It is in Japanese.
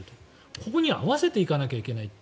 ここに合わせていかなきゃいけない。